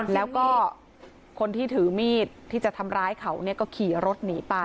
แล้วก็คนที่ถือมีดที่จะทำร้ายเขาก็ขี่รถหนีไป